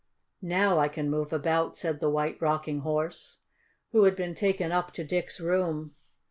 "Now I can move about," said the White Rocking Horse, who had been taken up to Dick's room.